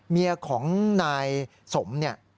เมียของนายสม